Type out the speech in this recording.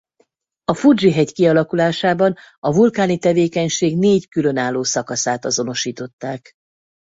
A Fudzsi-hegy kialakulásában a vulkáni tevékenység négy különálló szakaszát azonosították.